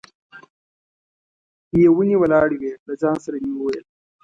یې ونې ولاړې وې، له ځان سره مې وویل.